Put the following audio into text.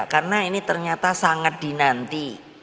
karena ini ternyata sangat dinanti